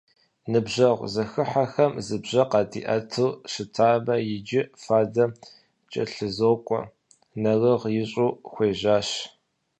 Ныбжьэгъу зэхыхьэм зы бжьэ къадиӏэту щытамэ, иджы фадэм кӏэлъызокӏуэ, нэрыгъ ищӏу хуежьащ.